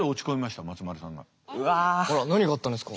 何があったんですか？